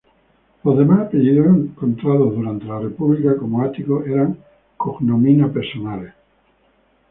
Los demás apellidos encontrados durante la República, como Ático, eran "cognomina" personales.